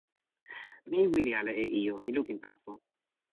mi wile ala e ijo. mi lukin taso.